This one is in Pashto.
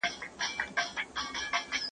د بې عقل نابالغ کس طلاق ولي نه واقع کیږي؟